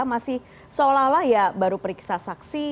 masih seolah olah ya baru periksa saksi